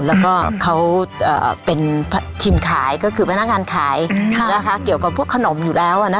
แล้วก็เขาเป็นทีมขายก็คือพนักงานขายเกี่ยวกับพวกขนมอยู่แล้ว